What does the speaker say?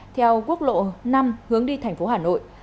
theo quốc lộ năm hướng đi thành phố hà nội